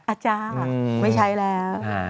อาจารย์ไม่ใช้แล้ว